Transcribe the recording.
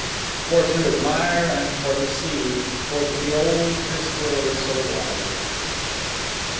For to admire an' for to see, For to be'old this world so wide.